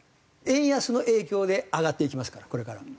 円安の影響で上がっていきますからこれからも。